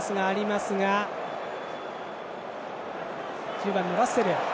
１０番のラッセル